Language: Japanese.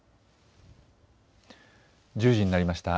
１０時になりました。